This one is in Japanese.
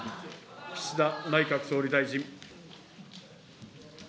岸田内閣総理大臣。